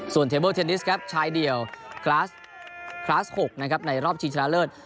ส่วนเทเบิลเทนนิสครับชายเดี่ยวคลาสคลาส๖นะครับในรอบชิงชนะเลิศ